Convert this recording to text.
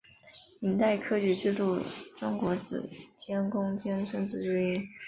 明代科举制度中国子监贡监生之一。